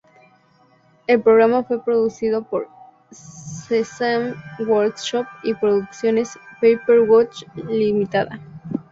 El programa fue producido por Sesame Workshop y Producciones Pepper Ghost limitada.